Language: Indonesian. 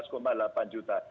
saya itu baru sembilan juta